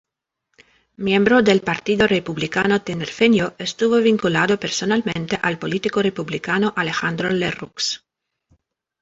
Miembro del Partido Republicano Tinerfeño, estuvo vinculado personalmente al político republicano Alejandro Lerroux.